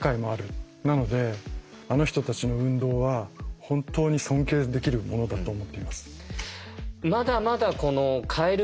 なのであの人たちの運動は本当に尊敬できるものだと思っています。